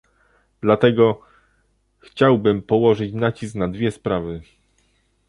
Dlatego, chciałbym położyć nacisk na dwie sprawy